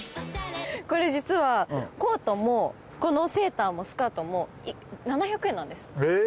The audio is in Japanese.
これ実はコートもこのセーターもスカートも７００円なんです。え！